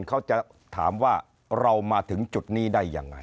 เขาจะถามว่าเรามาถึงจุดนี้ได้ยังไง